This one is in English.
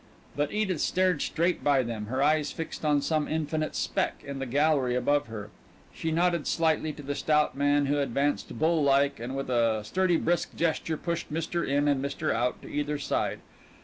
But Edith stared straight by them, her eyes fixed on some infinite speck in the gallery above her. She nodded slightly to the stout man, who advanced bull like and with a sturdy brisk gesture pushed Mr. In and Mr. Out to either side.